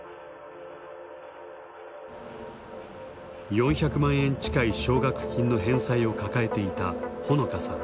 ４００万円近い奨学金の返済を抱えていた穂野香さん。